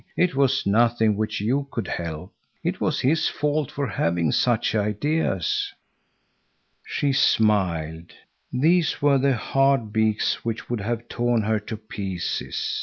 It was nothing which you could help.—It was his fault for having such ideas." She smiled. These were the hard beaks which would have torn her to pieces.